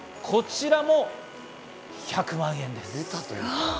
こちらも１００万円です。